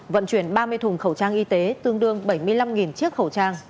vận chuyển ba mươi thùng khẩu trang y tế tương đương bảy mươi năm chiếc khẩu trang